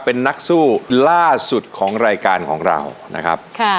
เป็นนักสู้ล่าสุดของรายการของเรานะครับ